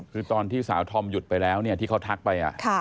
คือตอนที่สาวธอมหยุดไปแล้วที่เขาทักไป